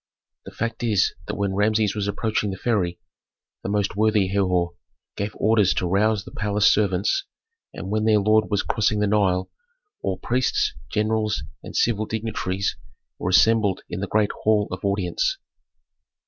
The fact is that when Rameses was approaching the ferry, the most worthy Herhor gave orders to rouse the palace servants, and when their lord was crossing the Nile all priests, generals, and civil dignitaries were assembled in the great hall of audience.